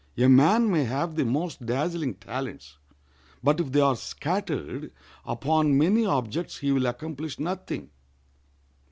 A man may have the most dazzling talents, but if they are scattered upon many objects he will accomplish nothing.